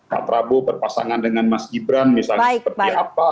pak prabowo berpasangan dengan mas gibran misalnya seperti apa